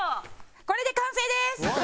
これで完成です！